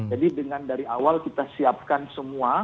jadi dengan dari awal kita siapkan semua